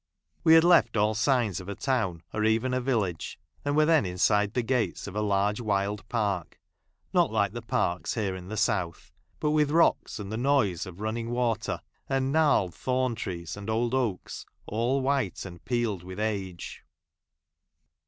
We had left aU signs of a town or even a village, and wei'e then inside the gates of a huge wild park — not like the parks here in the south, but with rocks, and the noise of running water, and gnarled thorn trees, and old oaks, all white and peeled with age.